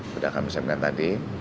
sudah kami sampaikan tadi